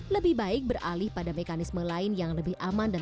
lebih baik beralih pada mekanisme lain yang lebih aman dan